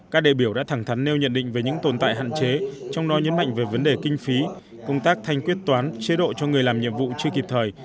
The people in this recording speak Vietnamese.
các đại biểu đã thẳng thắn nêu nhận định về những tồn tại hạn chế trong đó nhấn mạnh về vấn đề kinh phí công tác thanh quyết toán chế độ cho người làm nhiệm vụ chưa kịp thời